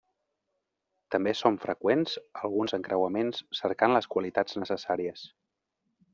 També són freqüents alguns encreuaments cercant les qualitats necessàries.